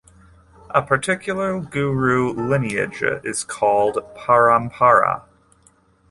A particular guru lineage is called "parampara".